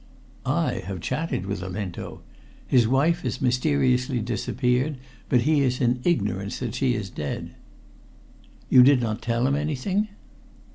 "I have chatted with Olinto. His wife has mysteriously disappeared, but he is in ignorance that she is dead." "You did not tell him anything?"